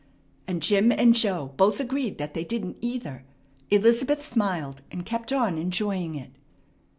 And Jim and Joe both agreed that they didn't, either. Elizabeth smiled, and kept on enjoying it.